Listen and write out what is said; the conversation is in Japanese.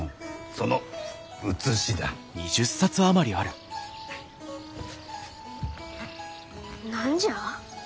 その写しだ。何じゃ？